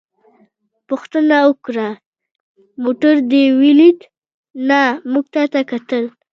پوښتنه وکړه: موټر دې ولید؟ نه، موږ تا ته کتل.